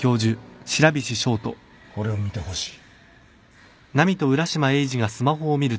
これを見てほしい。